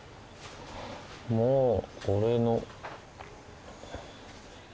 もうこれの。